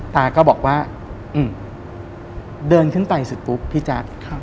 ตาก็บอกว่าอืมเดินขึ้นไปสุดปุ๊บพี่จ๊ะ